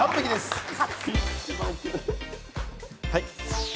はい！